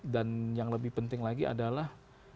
dan yang lebih penting lagi adalah